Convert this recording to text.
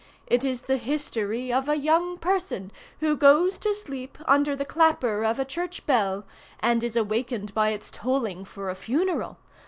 It is the history of a young person who goes to sleep under the clapper of a church bell, and is awakened by its tolling for a funeral.